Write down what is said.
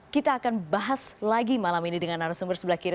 kita akan bahas lagi malam ini dengan arah sumber sebelah kiri